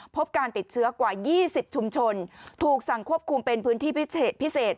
พบการติดเชื้อกว่า๒๐ชุมชนถูกสั่งควบคุมเป็นพื้นที่พิเศษ